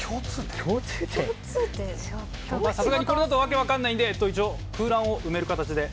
さすがにこれだと訳分かんないんで一応空欄を埋める形で。